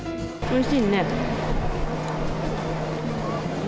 おいしい。